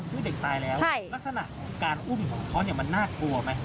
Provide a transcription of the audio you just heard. เมื่อเด็กตายแล้วลักษณะการอุ้มของเขานี่มันน่ากลัวไหมยังไงบ้าง